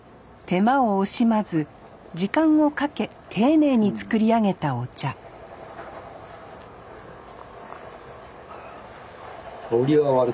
手間を惜しまず時間をかけ丁寧に作り上げたお茶あ。